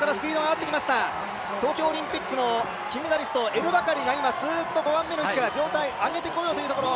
東京オリンピックの金メダリストのエル・バカリが今、すーっと５番の位置から状態上げてこようというところ。